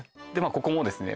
ここもですね